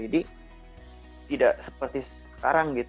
jadi tidak seperti sekarang